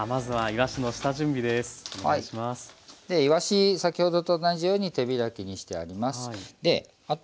いわし先ほどと同じように手開きにしてあります。